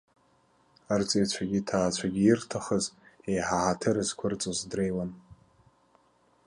Арҵаҩцәагьы аҭаацәагьы ирҭахыз, еиҳа ҳаҭыр зқәырҵоз дреиуан.